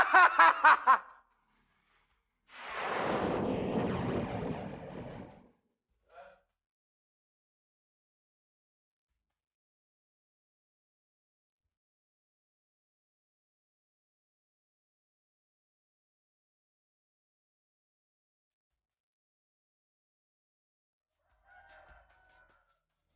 kamu tahu kan